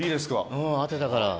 うん当てたから。